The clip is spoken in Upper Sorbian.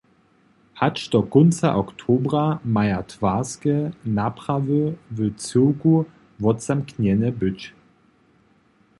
Hač do kónca oktobra maja twarske naprawy w cyłku wotzamknjene być.